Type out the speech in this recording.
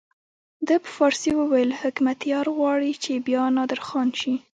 ده په فارسي وویل حکمتیار غواړي چې بیا نادرخان شي.